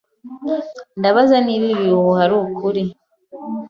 Ndabaza niba ibi bihuha ari ukuri.